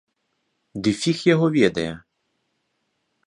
Ды фіг яго ведае!